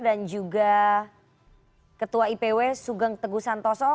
dan juga ketua ipw sugeng teguh santoso